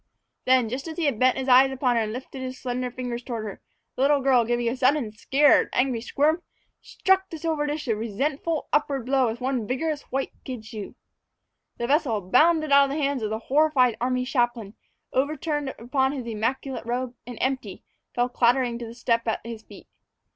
Then, just as he bent his eyes upon her and lifted his slender fingers toward her head, the little girl, giving a sudden scared, angry squirm, struck the silver dish a resentful, upward blow with one vigorous, white kid shoe. The vessel bounded out of the hands of the horrified army chaplain, overturned upon his immaculate robe, and, empty, fell clattering to the step at his feet.